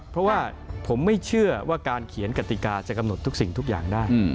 เพราะว่าผมไม่เชื่อว่าการเขียนกติกาจะกำหนดทุกสิ่งทุกอย่างได้